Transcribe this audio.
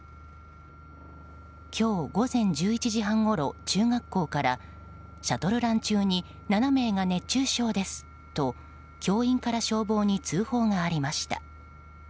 今日午前１１時半ごろ中学校からシャトルラン中に７名が熱中症ですと教員から消防に通報がありました。